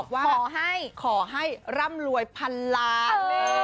ขอให้ขอให้ร่ำรวยพันล้าน